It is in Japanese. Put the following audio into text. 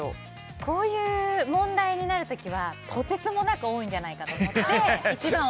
こういう問題になる時はとてつもなく多いんじゃないかと思って。